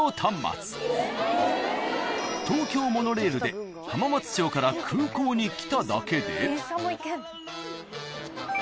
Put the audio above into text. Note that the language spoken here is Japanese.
［東京モノレールで浜松町から空港に来ただけで］